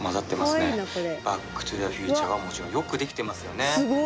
「バック・トゥ・ザ・フューチャー」はもちろんよく出来てますよね。